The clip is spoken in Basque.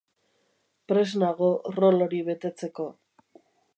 Prest nago rol hori betetzeko.